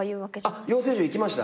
あっ養成所行きました。